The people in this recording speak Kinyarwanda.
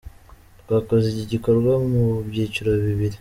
Twakoze iki gikorwa mu byiciro bibiri.